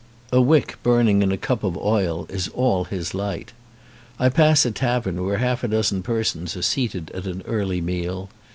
A wick burning in a cup of oil is all his light. I pass a tavern where half a dozen persons are seated at an early meal.